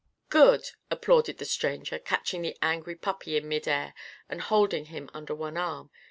"Good!" applauded the stranger, catching the angry puppy in mid air and holding him under one arm.